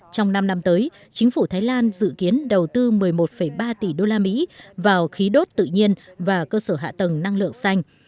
trong năm năm tới chính phủ thái lan dự kiến đầu tư một mươi một ba tỷ usd vào khí đốt tự nhiên và cơ sở hạ tầng năng lượng xanh